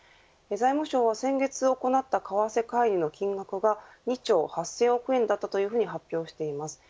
財務省は先月行った為替介入の金額が２兆８０００億円だったと発表しています。